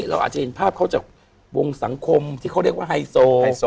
เราอาจจะเห็นภาพเขาจากวงสังคมที่เขาเรียกว่าไฮโซไฮโซ